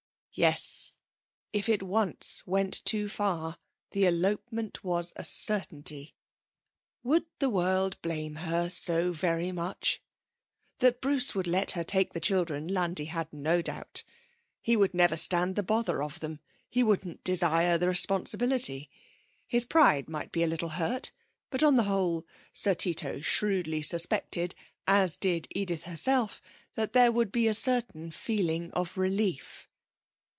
Yes, if it once went too far the elopement was a certainty. Would the world blame her so very much? That Bruce would let her take the children Landi had no doubt. He would never stand the bother of them; he wouldn't desire the responsibility; his pride might be a little hurt, but on the whole Sir Tito shrewdly suspected, as did Edith herself, that there would be a certain feeling of relief.